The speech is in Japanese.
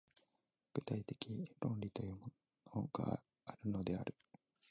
具体的論理というものがあるのである。